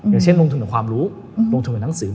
อย่างเช่นลงทุนกับความรู้ลงทุนหนังสือ